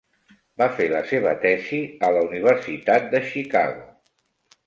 Va fer la seva tesi a la universitat de Chicago.